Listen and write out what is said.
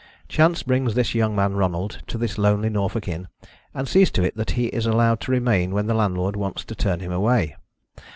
Chance brings this young man Ronald to this lonely Norfolk inn, and sees to it that he is allowed to remain when the landlord wants to turn him away.